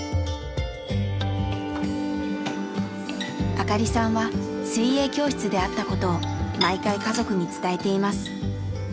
明香里さんは水泳教室であったことを毎回家族に伝えています。